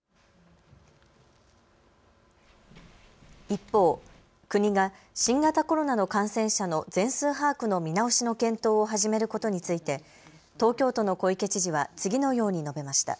一方、国が新型コロナの感染者の全数把握の見直しの検討を始めることについて東京都の小池知事は次のように述べました。